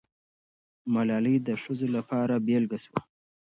ملالۍ د ښځو لپاره بېلګه سوه.